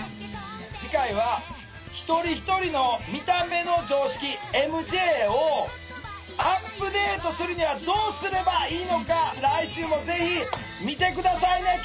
次回は一人一人の見た目の常識ＭＪをアップデートするにはどうすればいいのか来週もぜひ見て下さいね！